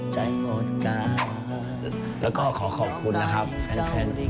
แล้วก็ขอขอบคุณนะครับแฟน